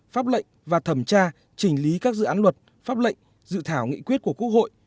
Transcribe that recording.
pháp lệnh và thẩm tra chỉnh lý các dự án luật pháp lệnh dự thảo nghị quyết của quốc hội